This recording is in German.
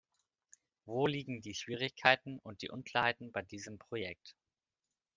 Wo liegen die Schwierigkeiten und die Unklarheiten bei diesem Projekt?